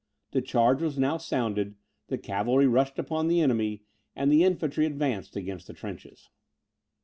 The charge was now sounded; the cavalry rushed upon the enemy, and the infantry advanced against the trenches.